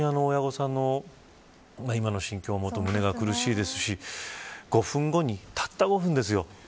親御さんの今の心境を思うと胸が苦しいですし５分後に、たった５分ですよ。